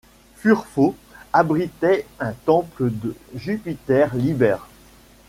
Furfo abritait un temple de Jupiter Liber.